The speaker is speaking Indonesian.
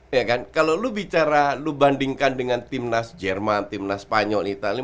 iya kan kalo lu bicara lu bandingkan dengan timnas jerman timnas spanyol italian